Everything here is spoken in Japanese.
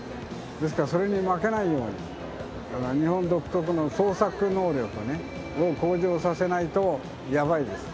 ですから、それに負けないように、日本独特の創作能力をね、向上させないと、やばいです。